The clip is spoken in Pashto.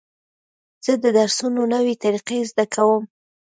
زه د درسونو نوې طریقې زده کوم.